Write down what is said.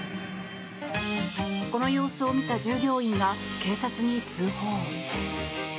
この様子を見た従業員が警察に通報。